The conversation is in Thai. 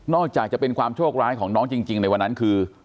จากจะเป็นความโชคร้ายของน้องจริงในวันนั้นคือ